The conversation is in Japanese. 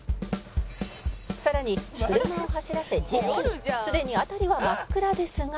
「さらに車を走らせ１０分」「すでに辺りは真っ暗ですが」